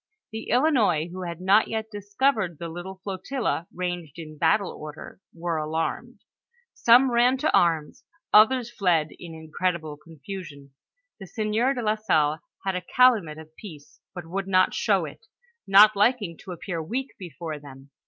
The Ilinois, who had not yet discovered the little flotilla ranged in battle order, were alarmed ; some ran to arms, others fled in incredible confusion. The sieur de la Salle had a calumet of peace, but would not show it, not liking to appear weak before tliem.